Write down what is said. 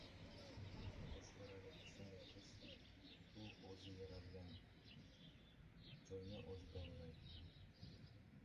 «Oshkoralik shunday qilichki. u o‘zi yaralagan joyni o‘zi davolaydi».